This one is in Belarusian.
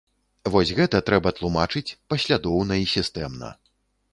Вось гэта трэба тлумачыць, паслядоўна і сістэмна.